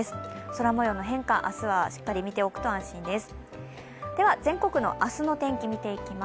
空もようの変化、明日はしっかり見ておくと安心です。